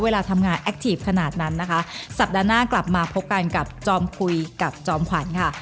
เวลาทำงานแอคทีฟขนาดนั้นนะคะสัปดาห์หน้ากลับมาพบกันกับจอมคุยกับจอมขวัญค่ะ